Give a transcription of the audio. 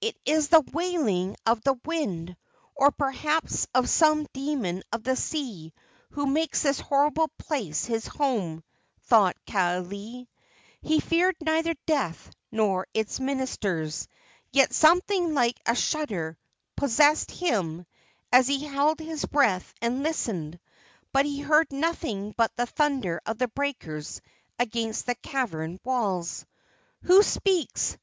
"It is the wailing of the wind, or perhaps of some demon of the sea who makes this horrible place his home," thought Kaaialii. He feared neither death nor its ministers; yet something like a shudder possessed him as he held his breath and listened, but he heard nothing but the thunder of the breakers against the cavern walls. "Who speaks?"